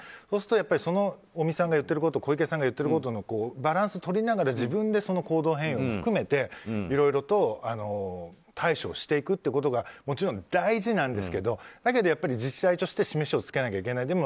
そうすると尾身さんが言っていること小池さんの言っていることのバランスをとりながら自分で行動変容も含めていろいろと対処をしていくということがもちろん大事なんですけどだけどやっぱり実際として示しをつけなきゃいけない。